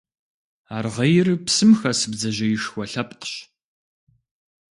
Аргъейр псым хэс бдзэжьеишхуэ лъэпкъщ.